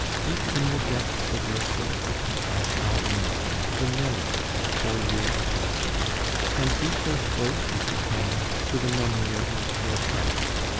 Keep in the depths of your soul, as I shall in mine, the memory of four years of happiness, and be faithful, if you can, to the memory of your poor friend.